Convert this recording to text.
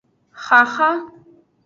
Xaxa.